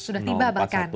sudah tiba bahkan